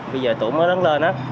bây giờ tụi mới lớn lên á